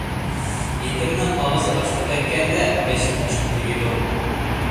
يېتىمنىڭ ئاغزى ئاشقا تەگكەندە، بېشى تاشقا تېگىدۇ.